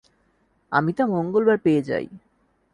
আমি তা মঙ্গলবার পেয়ে যাই।